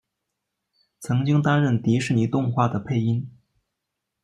曾经担任迪士尼动画的配音。